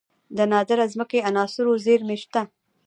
د نادره ځمکنۍ عناصرو زیرمې شته